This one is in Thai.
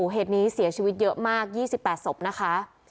เหตุนี้เสียชีวิตเยอะมาก๒๘ศพนะคะ